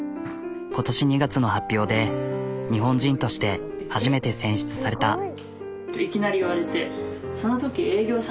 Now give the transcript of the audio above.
今年２月の発表で日本人として初めて選出された。